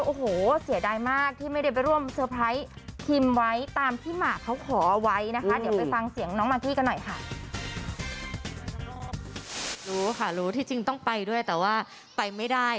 โอ้โหเสียดายมากที่ไม่ได้ไปร่วมเซอร์ไพรส์ทีมไว้